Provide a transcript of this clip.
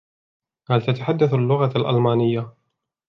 هل تتحدث اللغة الألمانية؟